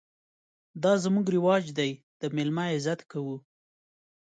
_دا زموږ رواج دی، د مېلمه عزت کوو.